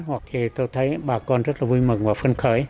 hoặc thì tôi thấy bà con rất là vui mừng và phân khởi